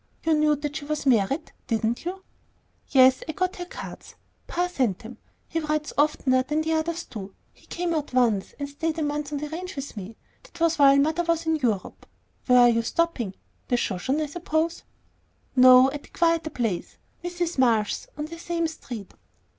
You knew that she was married, didn't you?" "Yes, I got her cards. Pa sent them. He writes oftener than the others do; and he came out once and stayed a month on the ranch with me. That was while mother was in Europe. Where are you stopping? The Shoshone, I suppose." "No, at a quieter place, Mrs. Marsh's, on the same street."